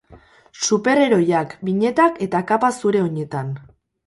Superheroiak, binetak eta kapa zure oinetan.